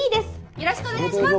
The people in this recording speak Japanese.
よろしくお願いします